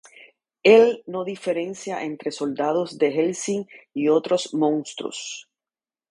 Él no diferencia entre soldados de Hellsing y otros monstruos.